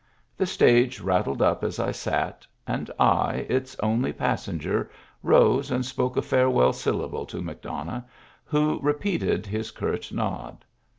The stage rattled up as I sat, and I, its only passenger, rose and spoke a farewell syllable to McDonough, who repeated his curt nod.